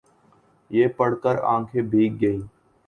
یہ پڑھ کر آنکھیں بھیگ گئیں۔